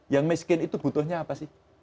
yang miskin itu butuhnya apa sih